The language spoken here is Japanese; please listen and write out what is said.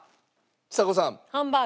ちさ子さん。